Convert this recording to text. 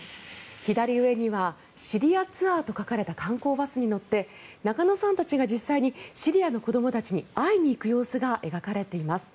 左上にはシリアツアーと書かれた観光バスに乗って中野さんたちが実際にシリアの子どもたちに会いに行く様子が描かれています。